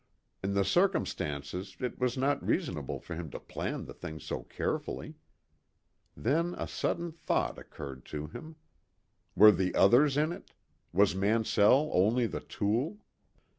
In the circumstances it was not reasonable for him to plan the thing so carefully. Then a sudden thought occurred to him. Were there others in it? Was Mansell only the tool?